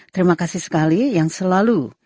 terima kasih sekali yang selalu